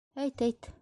Әйт, әйт.